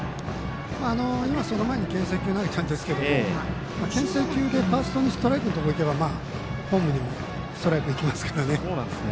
今、その前にけん制球投げたんですけどけん制球でファーストにストライクのところにいけばホームにもストライクいきますからね。